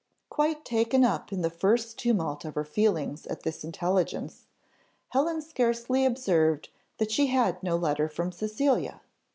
Quite taken up in the first tumult of her feelings at this intelligence, Helen scarcely observed that she had no letter from Cecilia.